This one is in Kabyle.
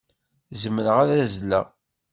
Zemreɣ ad azzleɣ.